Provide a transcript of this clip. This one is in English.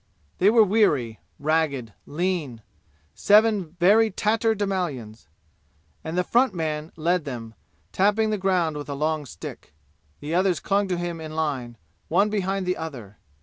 They were weary, ragged, lean seven very tatter demalions and the front man led them, tapping the ground with a long stick. The others clung to him in line, one behind the other.